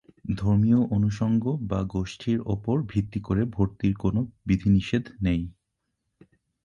ধর্মীয় অনুষঙ্গ বা গোষ্ঠীর উপর ভিত্তি করে ভর্তির কোনও বিধিনিষেধ নেই।